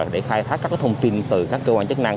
để khai thác các thông tin từ các cơ quan chức năng